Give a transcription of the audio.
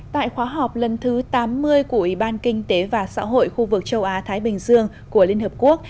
tại khóa họp lần thứ tám mươi của ủy ban kinh tế và xã hội khu vực châu á thái bình dương của liên hợp quốc